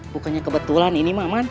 bukannya kebetulan ini aman